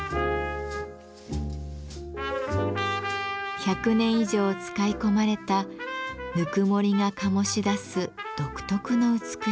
１００年以上使い込まれたぬくもりが醸し出す独特の美しさ。